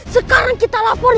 sekarang kita lapor